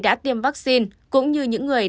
đã tiêm vaccine cũng như những người